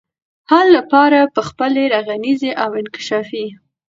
حل لپاره به خپلي رغنيزي او انکشافي